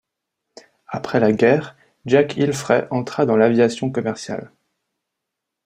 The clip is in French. Après la guerre, Jack Ilfrey entra dans l'aviation commerciale.